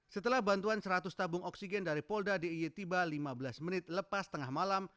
setelah bantuan seratus tabung oksigen dari polda d i e tiba lima belas menit lepas tengah malam